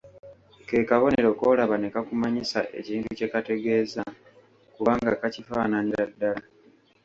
Ke kabonero k'olaba ne kakumanyisa ekintu kye kategeeza, kubanga kakifaananira ddala.